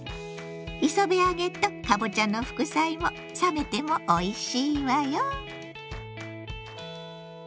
磯辺揚げとかぼちゃの副菜も冷めてもおいしいわよ！